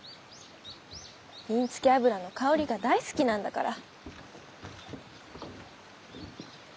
鬢付け油の香りが大好きなんだから。